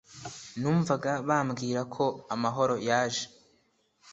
numvaga bambwira ko amahoro yaje